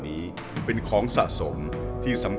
เหมือนเล็บแต่ของห้องเหมือนเล็บตลอดเวลา